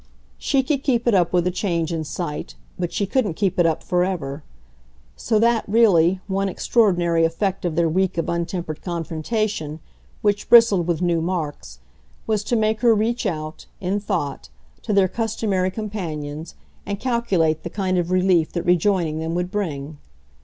She could keep it up with a change in sight, but she couldn't keep it up forever; so that, really, one extraordinary effect of their week of untempered confrontation, which bristled with new marks, was to make her reach out, in thought, to their customary companions and calculate the kind of relief that rejoining them would bring.